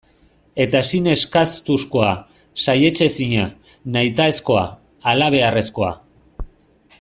Eta ezin eskastuzkoa, saihetsezina, nahitaezkoa, halabeharrezkoa.